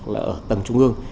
là ở tầng trung ương